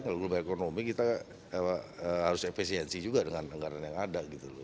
kalau global ekonomi kita harus efisiensi juga dengan anggaran yang ada gitu loh